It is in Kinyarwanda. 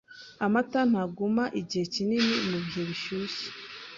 Amata ntaguma igihe kinini mubihe bishyushye.